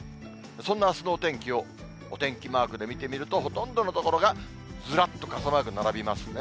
そんなあすのお天気をお天気マークで見てみると、ほとんどの所がずらっと傘マーク並びますね。